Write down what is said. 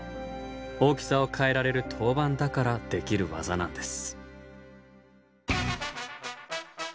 大きさを変えられる陶板だからできる技なんです。